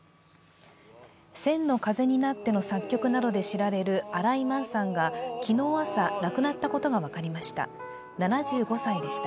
「千の風になって」の作曲などで知られる新井満さんが昨日朝、亡くなったことが分かりました。